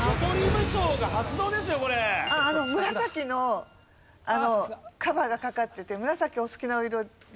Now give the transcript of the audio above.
あの紫のカバーがかかってて紫お好きなお色で。